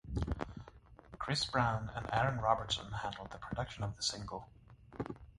Chris Brown and Aaron Robertson handled the production of the single.